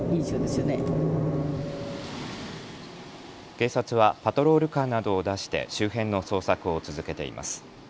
警察はパトロールカーなどを出して周辺の捜索を続けています。